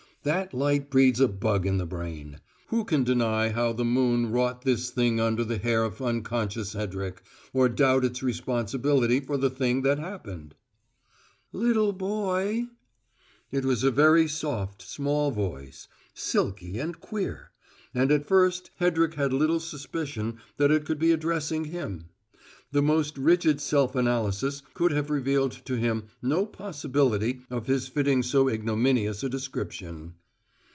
That light breeds a bug in the brain. Who can deny how the moon wrought this thing under the hair of unconscious Hedrick, or doubt its responsibility for the thing that happened? "Little boy!" It was a very soft, small voice, silky and queer; and at first Hedrick had little suspicion that it could be addressing him: the most rigid self analysis could have revealed to him no possibility of his fitting so ignominious a description.